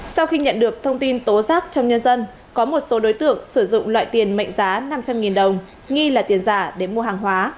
sau khi nhận được thông tin tố giác trong nhân dân có một số đối tượng sử dụng loại tiền mệnh giá năm trăm linh đồng nghi là tiền giả để mua hàng hóa